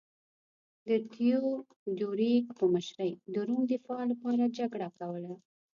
د تیودوریک په مشرۍ د روم دفاع لپاره جګړه کوله